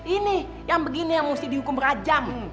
ini yang begini yang mesti dihukum beragam